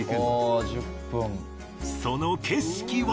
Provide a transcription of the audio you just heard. その景色は。